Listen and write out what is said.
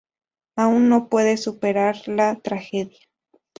Aún no puede superar la tragedia.